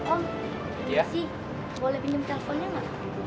om si boleh pinjam teleponnya gak